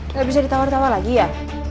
nggak bisa ditawar tawar lagi ya